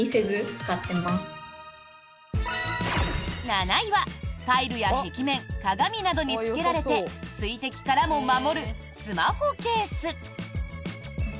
７位は、タイルや壁面鏡などにつけられて水滴からも守るスマホケース。